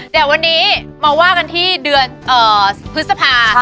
แต่วันนี้มาว่ากันที่เดือนพฤษภา